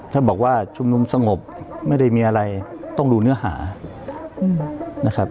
ถ้าบอกว่าชุมนุมสงบไม่ได้มีอะไรต้องดูเนื้อหานะครับ